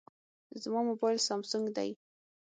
زما موبایل سامسونګ دی.